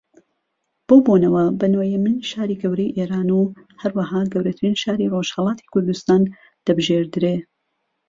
بەو بۆنەوە بە نۆیەمین شاری گەورەی ئێران و ھەروەھا گەورەترین شاری ڕۆژھەڵاتی کوردستان دەبژێردرێ